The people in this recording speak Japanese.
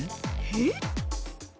えっ？